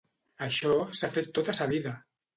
Això s'ha fet tota sa vida!